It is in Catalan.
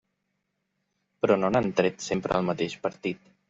Però no n'han tret sempre el mateix partit.